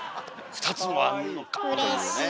２つもあんのか！というね。